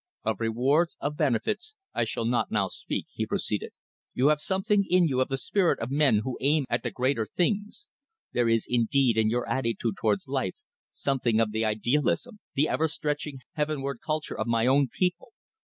"Of rewards, of benefits, I shall not now speak," he proceeded. "You have something in you of the spirit of men who aim at the greater things. There is, indeed, in your attitude towards life something of the idealism, the ever stretching heavenward culture of my own people.